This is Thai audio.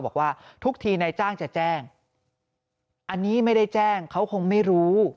บอกว่าทุกทีนายจ้างจะแจ้งอันนี้ไม่ได้แจ้งเขาคงไม่รู้